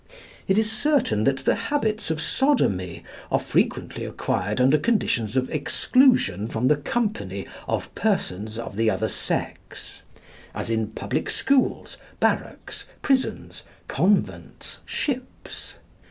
It is certain that the habits of sodomy are frequently acquired under conditions of exclusion from the company of persons of the other sex as in public schools, barracks, prisons, convents, ships.